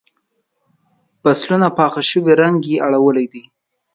فصلونه پاخه شوي رنګ یې اړولی دی.